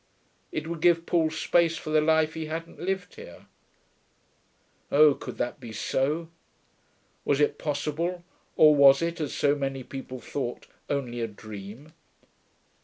It would give Paul space for the life he hadn't lived here. Oh, could that be so? Was it possible, or was it, as so many people thought, only a dream?